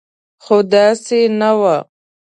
خو داسې نه وه.